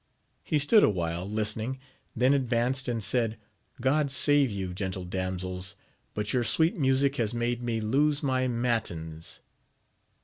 He stood awhile listening, then advanced, and said, God save you, gentle damsels, but your sweet music has made me lose my matins